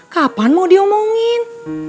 kapan mau diomongin